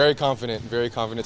tidak ada masalah